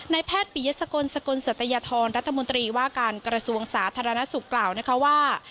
แพทย์ปิยสกลสกลสัตยธรรัฐมนตรีว่าการกระทรวงสาธารณสุขกล่าวนะคะว่า